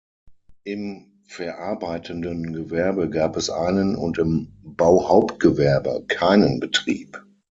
Im verarbeitenden Gewerbe gab es einen und im Bauhauptgewerbe keinen Betrieb.